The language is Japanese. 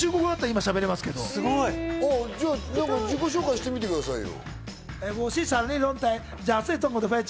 じゃあ自己紹介してみてくださいよ。